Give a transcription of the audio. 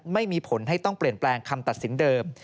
ไม่มีผลให้ต้องเปลี่ยนแปลงคำตัดสินเดิม